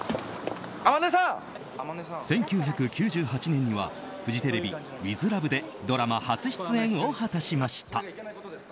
１９９８年にはフジテレビ「ＷＩＴＨＬＯＶＥ」でドラマ初出演を果たしました。